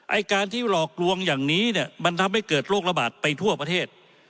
ไอ้การที่หลอกลวงอย่างนี้เนี่ยมันทำให้เกิดโรคระบาดไปทั่วประเทศ